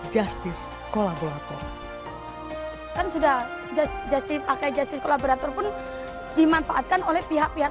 justice kolaborator kan sudah justice pakai justice collaborator pun dimanfaatkan oleh pihak pihak